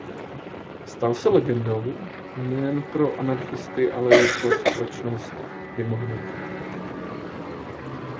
Stal se legendou nejen pro anarchisty ale i pro společnost mimo hnutí.